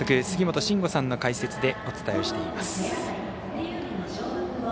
杉本真吾さんの解説でお伝えをしています。